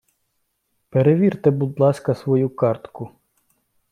Перевірте, будь ласка, свою картку!